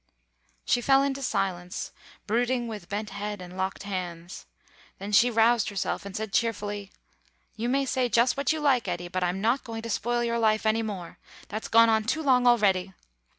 She fell into silence, brooding with bent head and locked hands. Then she roused herself, and said cheerfully, "You may say just what you like, Eddy, but I'm not going to spoil your life any more. That's gone on too long already.